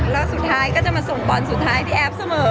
แล้วสุดท้ายก็จะมาส่งบอลสุดท้ายพี่แอฟเสมอ